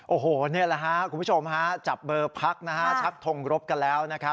โอ้โหนี่แหละคุณผู้ชมจับเบอร์พักชักทงรบกันแล้ว